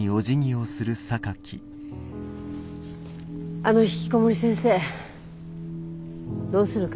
あのひきこもり先生どうするかしら。